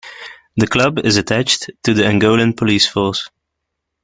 The club is attached to the Angolan police force.